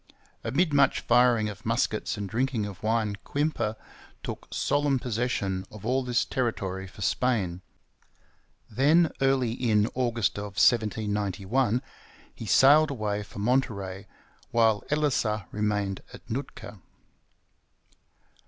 Amid much firing of muskets and drinking of wine Quimper took solemn possession of all this territory for Spain. Then, early in August of 1791, he sailed away for Monterey, while Elisa remained at Nootka.